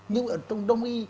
như ở trong đồng ý